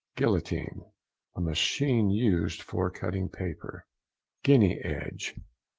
GUILLOTINE.—A machine used for cutting paper. GUINEA EDGE.